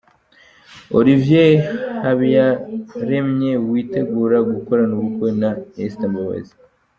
Olivier Habiyaremye witegura gukorana ubukwe na Esther Mbabazi.